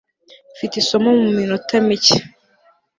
mfite isomo mu minota mike